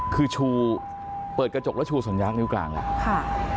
คือชูเปิดกระจกแล้วชูสัญลักษณ์นิ้วกลางอ่ะค่ะ